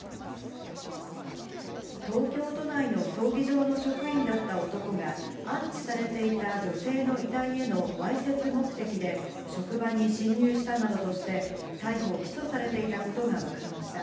東京都内の葬儀場の職員だった男が、安置されていた女性の遺体へのわいせつ目的で、職場に侵入したなどとして、逮捕・起訴されていたことが分かりました。